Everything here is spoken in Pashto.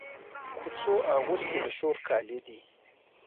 کوڅو اغوستي د شور کالي دی